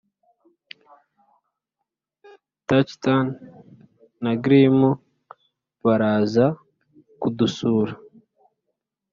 taciturn na grim baraza kudusura